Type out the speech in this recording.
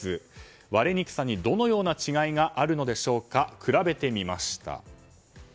割れにくさに、どのような違いがあるのでしょうか比べてみました。